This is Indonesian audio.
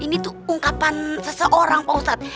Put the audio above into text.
ini tuh ungkapan seseorang pak ustadz